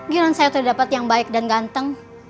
gila saya tuh dapat yang baik dan ganteng